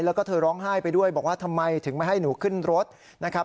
แล้วก็เธอร้องไห้ไปด้วยบอกว่าทำไมถึงไม่ให้หนูขึ้นรถนะครับ